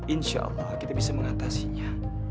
insya allah kita bisa mengatasinya